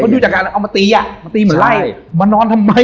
ดูจากการเอามาตีอะตีเหมือนไร